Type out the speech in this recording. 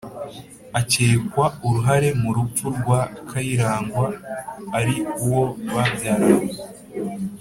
akekwa uruhare mu rupfu rwa Kayirangwa ari uwo babyaranye